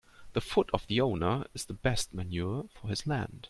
The foot of the owner is the best manure for his land.